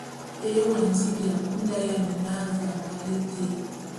Ve éyoñ a nji bi akum d’ayiane na a ve avale éte.